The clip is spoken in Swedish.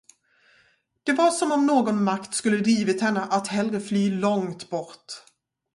Det var som om någon makt skulle drivit henne att hellre fly långt bort.